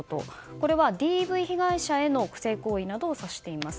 これはＤＶ被害者への性行為などを指しています。